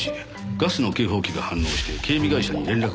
ガスの警報器が反応して警備会社に連絡がいってました。